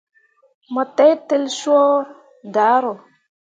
Mo teitel coor daaro.